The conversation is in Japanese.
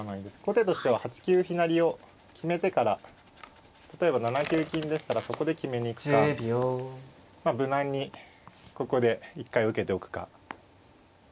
後手としては８九飛成を決めてから例えば７九金でしたらそこで決めに行くかまあ無難にここで一回受けておくか。